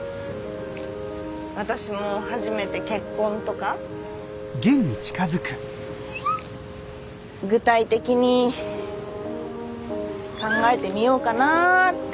私も初めて結婚とか具体的に考えてみようかなって。